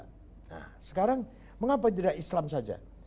nah sekarang mengapa tidak islam saja